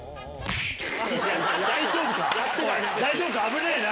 危ねぇな！